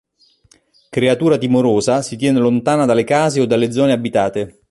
Creatura timorosa, si tiene lontana dalle case o dalle zone abitate.